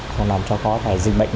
nó làm cho có thể dịch bệnh